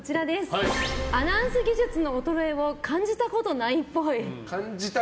アナウンス技術の衰えを感じたことないっぽい。